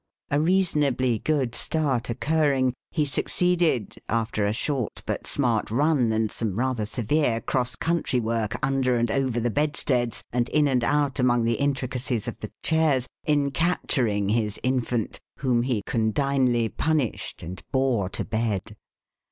A reasonably good start occurring, he succeeded, after a short but smart run, and some rather severe cross country work under and over the bedsteads, and in and out among the intricacies of the chairs, in capturing his infant, whom he condignly punished, and bore to bed.